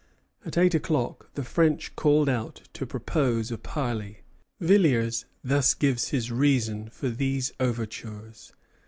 At eight o'clock the French called out to propose a parley. Villiers thus gives his reason for these overtures.